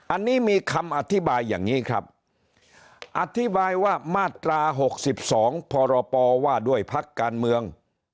อันนี้มีคำอธิบายอย่างนี้ครับอธิบายว่ามาตรา๖๒พรปว่าด้วยพักการเมือง